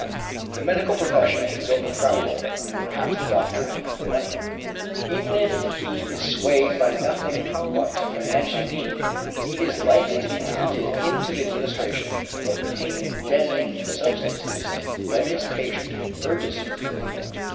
The medical profession is overcrowded, and perhaps the doctor needs the money. Even if he is swayed by nothing but financial need, he is likely to be tempted into the administration of pain deadening substances when his patient urges him.